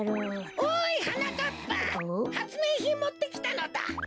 ・おいはなかっぱはつめいひんもってきたのだ。